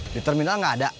di terminal gak ada